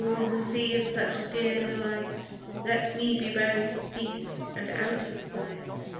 in the sea of such a dear delight Let me be buried deep and out of sight